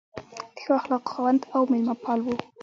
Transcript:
د ښو اخلاقو خاوند او مېلمه پال و.